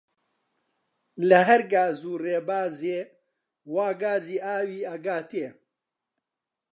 لە هەر گاز و ڕێبازێ وا گازی ئاوی ئەگاتێ